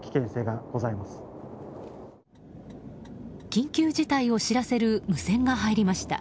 緊急事態を知らせる無線が入りました。